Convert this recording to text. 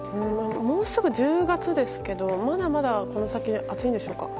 もうすぐ１０月ですけどまだまだこの先暑いんでしょうか。